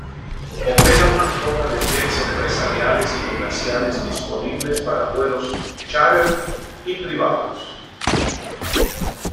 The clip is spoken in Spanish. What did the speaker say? Opera una flota de jets empresariales y comerciales disponibles para vuelos chárter y privados.